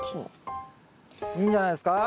いいんじゃないですか？